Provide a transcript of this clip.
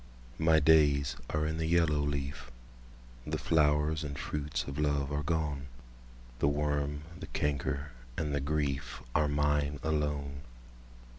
My days are in the yellow leaf; The flowers and fruits of love are gone; The worm, the canker, and the griefAre mine alone!